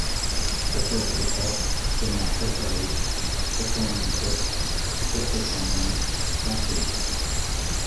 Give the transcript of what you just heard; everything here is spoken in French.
quatorze A chemin Cachalot, quatre-vingt-dix-sept, quatre cent dix, Saint-Pierre